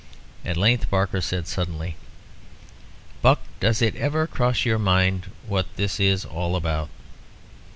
At length Barker said suddenly "Buck, does it ever cross your mind what this is all about?